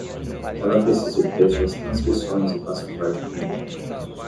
Ela precisa obter suas transcrições e passaporte primeiro.